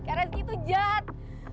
kak rezki tuh jahat